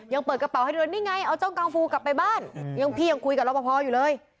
ยังเปิดกระเป๋าให้เดินนี่ไงเอาจ้องกางฟูกลับไปบ้านยังพี่ยังคุยกับรอปภอยู่เลย